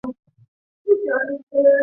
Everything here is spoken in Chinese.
该物种的模式产地在云南腾冲。